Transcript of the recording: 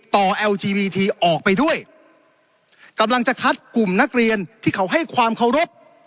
เอลจีวีทีออกไปด้วยกำลังจะคัดกลุ่มนักเรียนที่เขาให้ความเคารพ